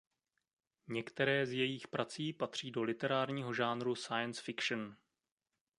Některé z jejích prací patří do literárního žánru science fiction.